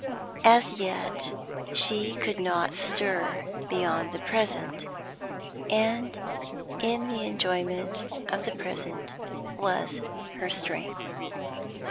As yet, she could not stir beyond the present, and in the enjoyment of the present was her strength.